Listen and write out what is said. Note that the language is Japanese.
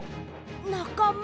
なかま。